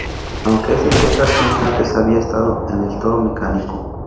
Aunque es de Texas, nunca antes había estado en el toro mecánico.